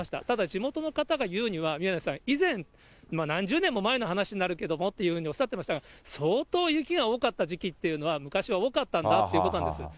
ただ地元の方が言うには、宮根さん、以前、何十年も前の話になるけどもとおっしゃってましたが、相当雪が多かった時期っていうのは、昔は多かったんだということなんです。